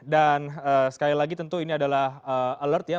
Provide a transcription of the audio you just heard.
dan sekali lagi tentu ini adalah alert ya